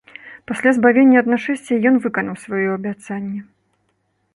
Пасля збавення ад нашэсця ён выканаў сваё абяцанне.